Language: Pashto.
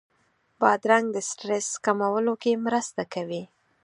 بادرنګ د سټرس کمولو کې مرسته کوي.